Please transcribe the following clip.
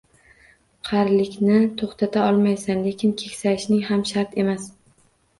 Qarilikni to’xtata olmaysan, lekin keksayishing ham shart emas.